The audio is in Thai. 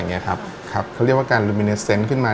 เขาเรียกว่าการลูมิเนสเซนต์ขึ้นมา